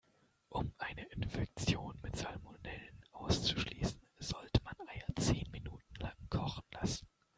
Um eine Infektion mit Salmonellen auszuschließen, sollte man Eier zehn Minuten lang kochen lassen.